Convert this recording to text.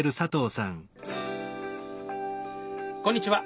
こんにちは。